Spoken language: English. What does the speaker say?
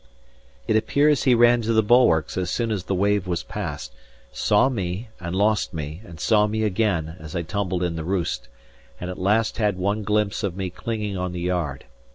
It appears he ran to the bulwarks as soon as the wave was passed; saw me, and lost me, and saw me again, as I tumbled in the roost; and at last had one glimpse of me clinging on the yard.